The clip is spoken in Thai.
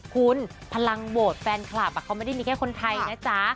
คุณพลังโหวตแฟนคลับเขาไม่ได้มีแค่คนไทยนะจ๊ะ